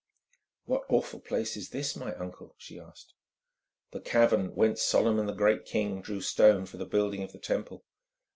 "What awful place is this, my uncle?" she asked. "The cavern whence Solomon, the great king, drew stone for the building of the Temple.